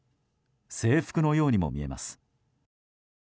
制服のようにも見えます。